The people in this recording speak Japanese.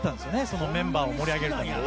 そのメンバーを盛り上げるために。